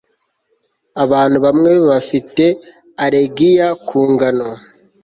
abantu bamwe bafite allergiya ku ngano